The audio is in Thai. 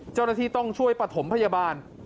เจ้าหน้าที่ต้องช่วยปฐมพยาบาล